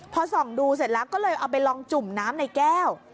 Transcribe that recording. พอส่องดูเสร็จแล้วก็เลยเอาไปลองจุ่มน้ำในแก้ว